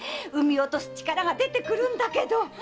産み落とす力が出てくるんだけど！